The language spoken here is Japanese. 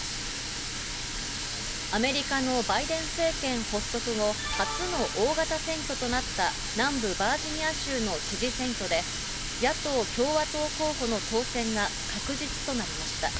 アメリカのバイデン政権発足後、初の大型選挙となった南部バージニア州の知事選挙で、野党・共和党候補の当選が確実となりました。